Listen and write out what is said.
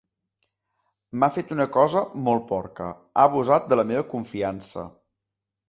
M'ha fet una cosa molt porca: ha abusat de la meva confiança.